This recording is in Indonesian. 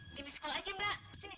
di sini tuh gak enak banget